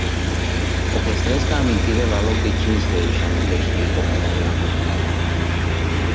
O păstrez ca amintire la loc de cinste își amintește informaticianul.